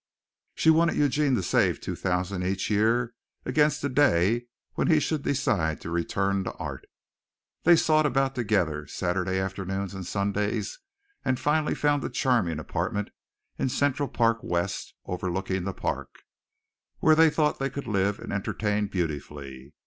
She wanted Eugene to save two thousand each year against the day when he should decide to return to art. They sought about together Saturday afternoons and Sundays and finally found a charming apartment in Central Park West overlooking the park, where they thought they could live and entertain beautifully.